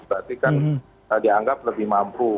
berarti kan dianggap lebih mampu